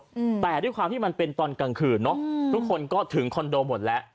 อืมแต่ด้วยความที่มันเป็นตอนกลางคืนเนอะอืมทุกคนก็ถึงคอนโดหมดแล้ว